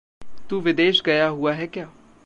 तू विदेश गया हुआ है क्या?